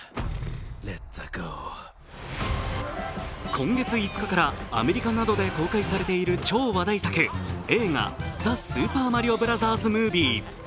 今月５日からアメリカなどで公開されている超話題作映画「ザ・スーパーマリオブラザーズ・ムービー」。